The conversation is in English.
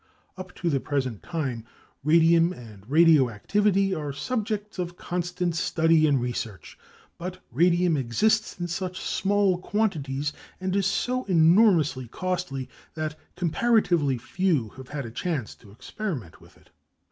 Up to the present time, radium and radioactivity are subjects of constant study and research, but radium exists in such small quantities and is so enormously costly that comparatively few have had a chance to experiment with it.